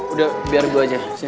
udah biar gue aja